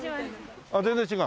全然違う？